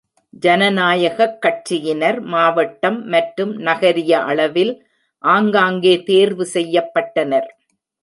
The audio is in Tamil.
ஜனநாயகக் கட்சியினர், மாவட்டம் மற்றும் நகரிய அளவில் ஆங்காங்கே தேர்வு செய்யப் பட்டனர்.